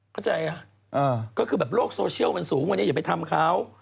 เข้าใจก็คือแบบโลกโซเชียลมันสูงวันนี้อย่าไปทำเขา